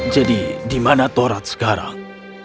jadi di mana torad sekarang